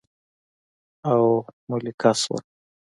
او ملکه شوم